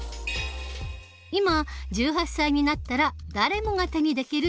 今１８歳になったら誰もが手にできる選挙権。